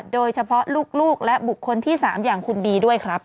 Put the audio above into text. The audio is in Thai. โดยเฉพาะลูกและบุคคลที่๓อย่างคุณบีด้วยครับ